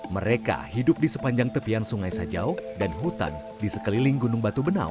mereka hidup di sepanjang tepian sungai sajau dan hutan di sekeliling gunung batu benau